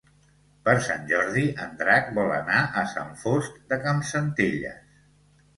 Per Sant Jordi en Drac vol anar a Sant Fost de Campsentelles.